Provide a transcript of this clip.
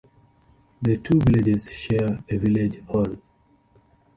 The two villages share a village hall.